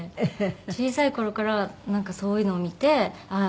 小さい頃からなんかそういうのを見てああ